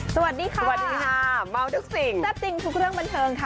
สวัสดีค่ะสวัสดีค่ะเมาทุกสิ่งแซ่บจริงทุกเรื่องบันเทิงค่ะ